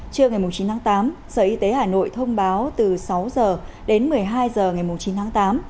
trưa ngày chín tháng tám sở y tế hà nội thông báo từ sáu h đến một mươi hai h ngày chín tháng tám